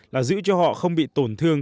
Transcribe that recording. là giữ cho họ không bị tổn thương